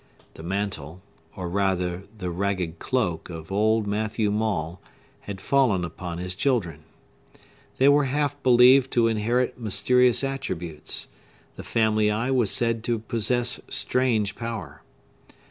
The mantle, or rather the ragged cloak, of old Matthew Maule had fallen upon his children. They were half believed to inherit mysterious attributes; the family eye was said to possess strange power.